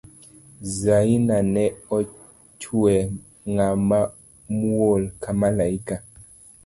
Zaina ne ochwe ng'ama muol ka maliaka